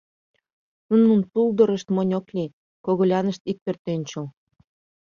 Нунын пулдырышт монь ок лий, когылянышт ик пӧртӧнчыл.